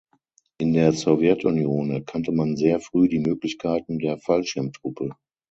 In der Sowjetunion erkannte man sehr früh die Möglichkeiten der Fallschirmtruppe.